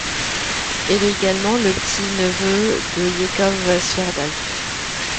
Il est également le petit-neveu de Yakov Sverdlov.